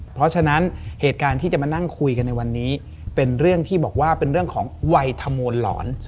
เพราะฉะนั้นเหตุการณ์ที่จะมานั่งคุยกันในวันนี้เป็นเรื่องที่บอกว่าเป็นเรื่องของวัยขมวลหลอน